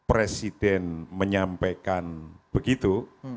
presiden menyampaikan begitu